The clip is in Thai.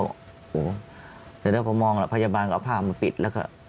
โอโหถ้าเธอมองล่ะพยาบาลก็เอาผ้ามาปิดแล้วก็